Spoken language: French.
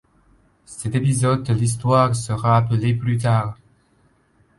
Cet épisode de l'histoire sera appelé plus tard l'.